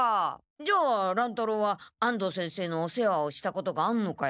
じゃあ乱太郎は安藤先生のお世話をしたことがあんのかよ？